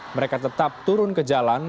mereka tetap turun ke jalan